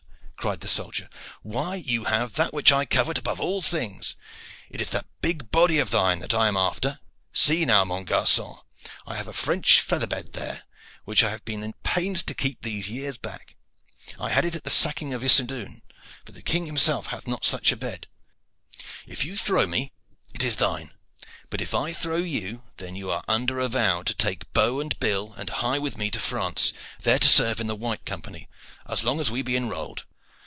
cried the soldier. "Why, you have that which I covet above all things. It is that big body of thine that I am after. See, now, mon garcon. I have a French feather bed there, which I have been at pains to keep these years back. I had it at the sacking of Issodun, and the King himself hath not such a bed. If you throw me, it is thine; but, if I throw you, then you are under a vow to take bow and bill and hie with me to France, there to serve in the White Company as long as we be enrolled."